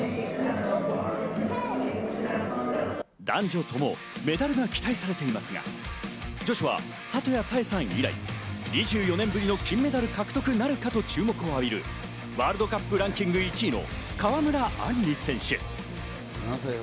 男女ともメダルが期待されていますが、女子は里谷多英さん以来、２４年ぶりの金メダル獲得なるかと注目を浴びるワールドカップランキング１位の川村あんり選手。